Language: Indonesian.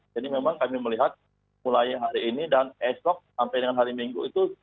jadi memang kami melihat mulai hari ini dan esok sampai dengan hari minggu itu